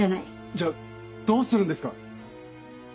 じゃあどうするんですか？